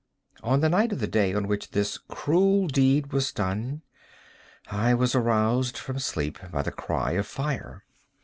On the night of the day on which this cruel deed was done, I was aroused from sleep by the cry of fire.